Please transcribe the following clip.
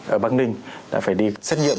ở bắc ninh đã phải đi xét nghiệm